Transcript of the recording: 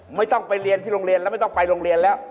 ไม่ต้องไปเรียนที่โรงเรียนแล้วไม่ต้องไปโรงเรียนแล้ว